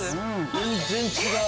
全然違う。